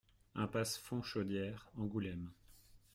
Impasse Fontchaudière, Angoulême